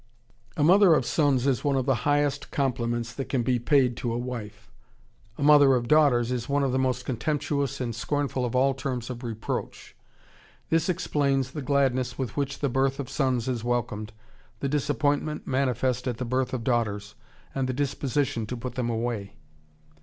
"A mother of sons" is one of the highest compliments that can be paid to a wife; "a mother of daughters" is one of the most contemptuous and scornful of all terms of reproach. This explains the gladness with which the birth of sons is welcomed, the disappointment manifest at the birth of daughters, and the disposition to put them away....